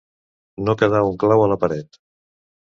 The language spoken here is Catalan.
No quedar un clau a la paret.